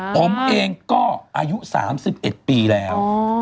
ผมเองก็อายุ๓๑ปีแล้ว